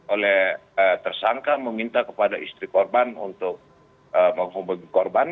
oleh tersangka meminta kepada istri korban untuk menghubungi korban